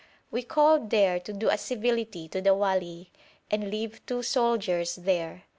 We called there to do a civility to the wali, and leave two soldiers there.